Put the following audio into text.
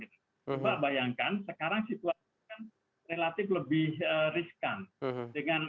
coba bayangkan sekarang situasi ini relatif lebih riskan dengan